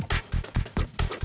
selamat siang siapa ya